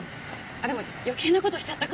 あっでも余計なことしちゃったかな。